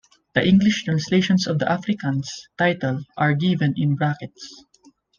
The English translations of the Afrikaans title s are given in brackets.